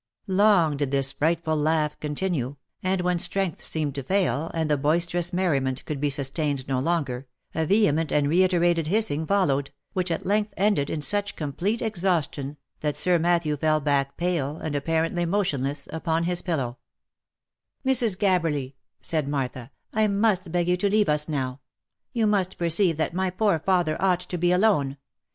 Long did this frightful laugh continue, and when strength seemed to fail, and the boisterous merriment could be sustained no longer, a vehement and reiterated hissing followed, which at length ended in such complete exhaustion that Sir Matthew fell back pale, and apparently motionless, upon his pillow# " Mrs. Gabberly," said Martha, " I must beg you to leave us now. You must perceive that my poor father ought to be alone.